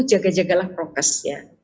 jaga jagalah prokes ya